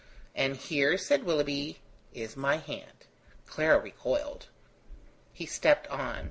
"And here," said Willoughby, "is my hand." Clara recoiled. He stepped on.